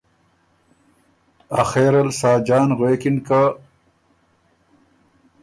آخرل ساجان غوېکِن که